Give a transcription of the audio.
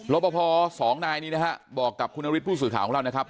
ลบบ่พอสองน้านี้บอกกับคุณฤทธิ์ผู้สื่อข้าวเราเนี่ยครับ